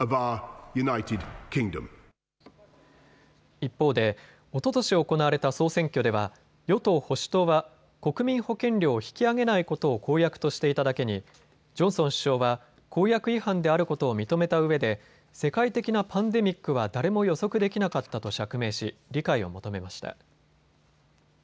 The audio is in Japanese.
一方でおととし行われた総選挙では与党保守党は国民保険料を引き上げないことを公約としていただけにジョンソン首相は公約違反であることを認めたうえで世界的なパンデミックは誰も予測できなかったと釈明し理解を求めました。